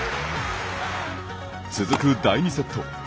続く第２セット。